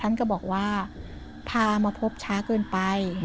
ท่านก็บอกว่าพามาพบช้าเกินไป